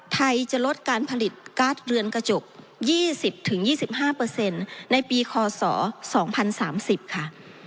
ไทยจะลดการผลิตการ์ดเรือนกระจก๒๐๒๕ในปีคศ๒๐๓๐ค่ะ